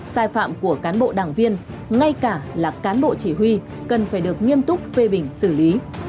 sai phạm của cán bộ đảng viên ngay cả là cán bộ chỉ huy cần phải được nghiêm túc phê bình xử lý